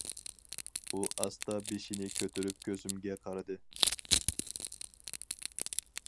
ئۇ ئاستا بېشىنى كۆتۈرۈپ كۆزۈمگە قارىدى.